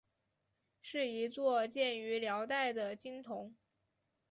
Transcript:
是一座建于辽代的经幢。